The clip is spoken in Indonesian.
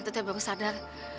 tante baru sadar